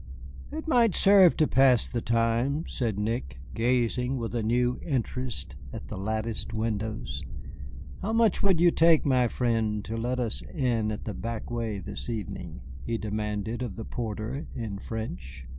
"It might serve to pass the time," said Nick, gazing with a new interest at the latticed windows. "How much would you take, my friend, to let us in at the back way this evening?" he demanded of the porter in French.